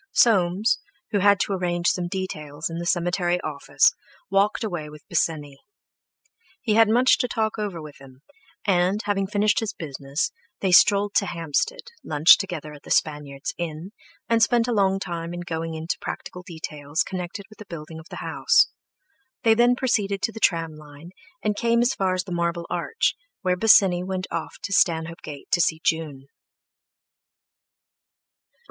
Soames, who had to arrange some details in the cemetery office, walked away with Bosinney. He had much to talk over with him, and, having finished his business, they strolled to Hampstead, lunched together at the Spaniard's Inn, and spent a long time in going into practical details connected with the building of the house; they then proceeded to the tram line, and came as far as the Marble Arch, where Bosinney went off to Stanhope Gate to see June.